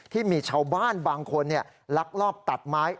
ที่มีชาวบ้านบางคนลักลอบตัดไม้